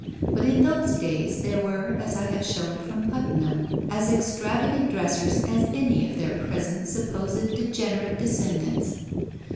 But in those days there were, as I have shown from Puttenham, as extravagant dressers as any of their present supposed degenerate descendants.